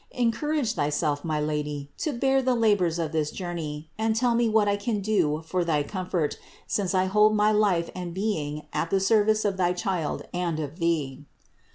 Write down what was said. Encour age thyself, my Lady, to bear the labors of this journey and tell me what I can do for thy comfort, since I hold my life and being at the service of thy Child and of Thee."